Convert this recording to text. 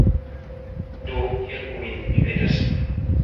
Do helpu min, mi petas.